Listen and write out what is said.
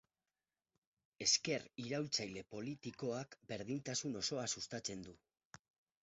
Ezker iraultzaile politikoak berdintasun osoa sustatzen du.